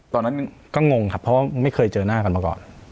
ตอนนั้นก็งงครับเพราะว่าไม่เคยเจอหน้ากันมาก่อน